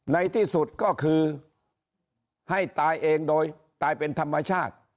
ในที่สุดก็คือให้ตายเองโดยตายเป็นธรรมชาติ